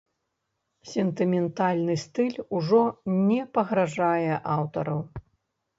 Сентыментальны стыль ужо не пагражае аўтару.